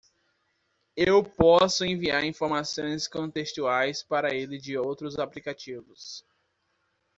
Eu posso enviar informações contextuais para ele de outros aplicativos.